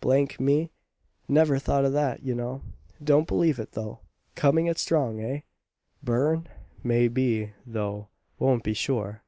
D n me, never thought of that, you know. Don't believe it, though. Coming it strong, eh! Burn? May be, though won't be sure."